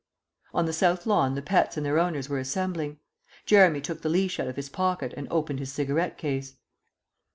On the south lawn the pets and their owners were assembling. Jeremy took the leash out of his pocket and opened his cigarette case.